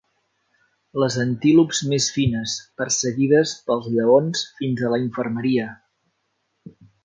Les antílops més fines, perseguides pels lleons fins a la infermeria.